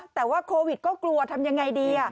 แต่ว่าโควิดก็กลัวทำยังไงดี